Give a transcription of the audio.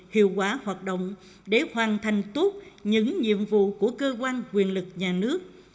hiệu quả hoạt động để hoàn thành tốt những nhiệm vụ của cơ quan quyền lực nhà nước